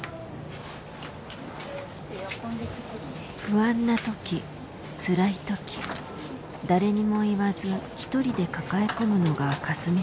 不安な時つらい時誰にも言わず一人で抱え込むのがかすみさんの課題。